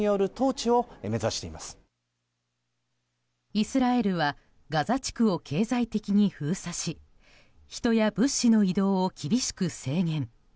イスラエルはガザ地区を経済的に封鎖し人や物資の移動を厳しく制限。